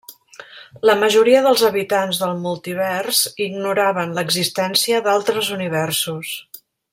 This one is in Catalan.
La majoria dels habitants del multivers ignoraven l'existència d'altres universos.